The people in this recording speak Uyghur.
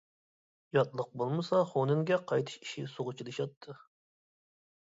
ياتلىق بولمىسا خۇنەنگە قايتىش ئىشى سۇغا چىلىشاتتى.